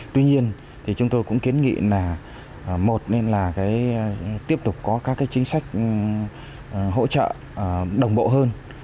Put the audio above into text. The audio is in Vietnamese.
tuy nhiên thì chúng tôi cũng kiến nghị là một nên là tiếp tục có các cái chính sách hỗ trợ đồng bộ hơn